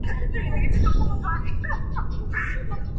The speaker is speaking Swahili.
viongozi wa mataifa mia moja tisini na nne wanakutana jijini kangkon